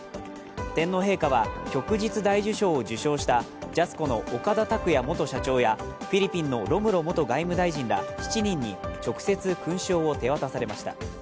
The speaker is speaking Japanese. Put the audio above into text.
天皇陛下は、旭日大綬章を受章したジャスコの岡田卓也元社長やフィリピンのロムロ元外務大臣ら７人に直接、勲章を手渡されました。